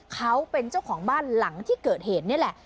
เขาเป็นเจ้าของบ้านหลังที่เกิดเหตุนี่แหละ